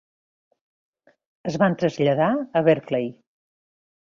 Es van traslladar a Berkeley.